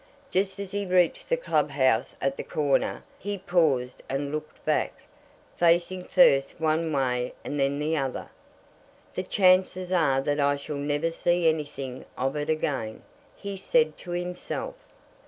Just as he reached the club house at the corner he paused and looked back, facing first one way and then the other. "The chances are that I shall never see anything of it again," he said to himself.